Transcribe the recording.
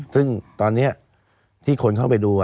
ซึ่งตอนนี้ที่คนเข้าไปดู